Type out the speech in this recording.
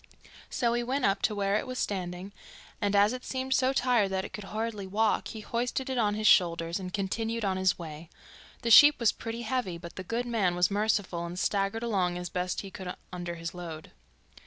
So he went up to where it was standing, and as it seemed so tired that it could hardly walk, he hoisted it on his shoulders and continued on his way. The sheep was pretty heavy, but the good man was merciful and staggered along as best he could under his load.